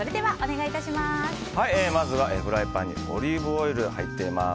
まずはフライパンにオリーブオイルが入っています。